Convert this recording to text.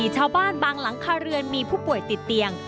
ชาวบ้านบางหลังคาเรือนมีผู้ป่วยติดเตียง